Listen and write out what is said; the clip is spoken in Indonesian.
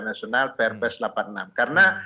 nasional prps delapan puluh enam karena